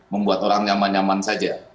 membuat orang nyaman nyaman saja